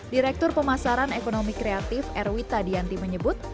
direktur pemasaran ekonomi kreatif erwita dianti menyebut